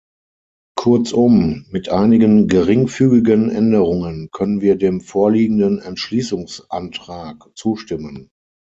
Kurzum, mit einigen geringfügigen Änderungen können wir dem vorliegenden Entschließungsantrag zustimmen.